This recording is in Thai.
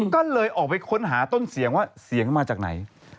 ก็เลยออกไปค้นหาต้นเสียงว่าเสียงมาจากไหน